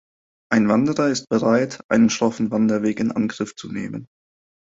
Ein Wanderer ist bereit, einen schroffen Wanderweg in Angriff zu nehmen.